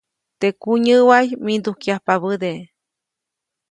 Teʼ kunyäʼway mindujkyajpabäde.